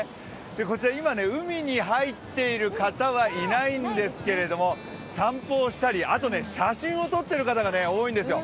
こちら今、海に入っている方はいないんですけれども、散歩をしたり、写真を撮っている方が多いんですよ。